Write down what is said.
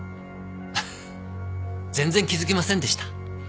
ハハッ全然気づきませんでした。